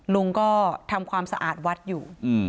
ลุงก็ทำความสะอาดวัดอยู่